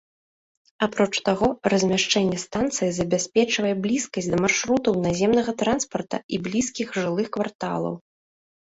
Апроч таго, размяшчэнне станцыі забяспечвае блізкасць да маршрутаў наземнага транспарта і блізкіх жылых кварталаў.